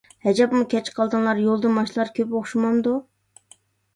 ھەجەپمۇ كەچ قالدىڭلار، يولدا ماشىنىلار كۆپ ئوخشىمامدۇ ؟